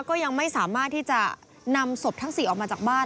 ก็ยังไม่สามารถที่จะนำศพทั้ง๔ออกมาจากบ้าน